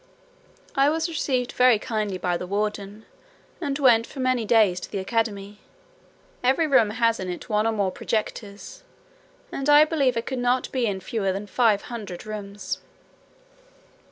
I was received very kindly by the warden, and went for many days to the academy. Every room has in it one or more projectors; and I believe I could not be in fewer than five hundred rooms.